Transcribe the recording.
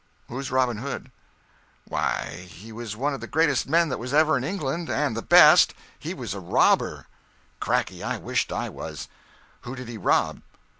Who's Robin Hood?" "Why, he was one of the greatest men that was ever in England—and the best. He was a robber." "Cracky, I wisht I was. Who did he rob?"